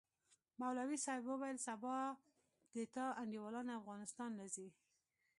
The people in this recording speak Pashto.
مولوي صاحب وويل سبا د تا انډيوالان افغانستان له زي.